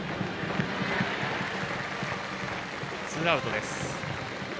ツーアウトです。